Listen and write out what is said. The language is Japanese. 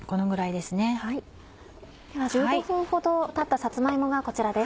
では１５分ほどたったさつま芋がこちらです。